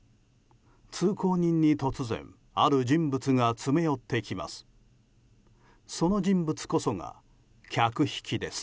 通行人に突然ある人物が詰め寄ってきます。